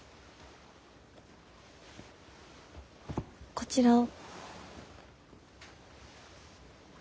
こちらを。